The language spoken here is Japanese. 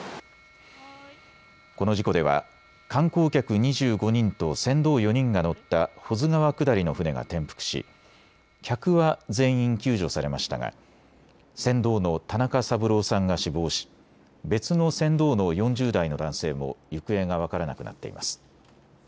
この事故では観光客２５人と船頭４人が乗った保津川下りの舟が転覆し客は全員救助されましたが船頭の田中三郎さんが死亡し別の船頭の４０代の男性も行方が分からなくなっています。